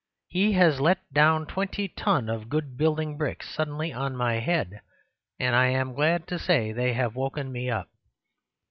He has let down twenty ton of good building bricks suddenly on my head, and I am glad to say they have woken me up.